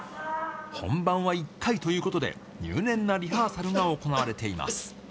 本番は１回ということで、入念なリハーサルが行われています。